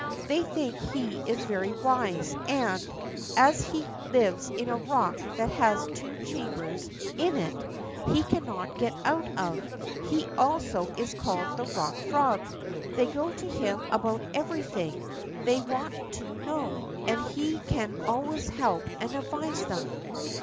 They think he is very wise, and, as he lives in a rock that has two chambers in it he cannot get out of, he also is called the Pock Frog. They go to him about everything they want to know, and he can always help and advise them."